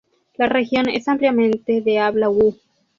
La región es ampliamente de habla Wu.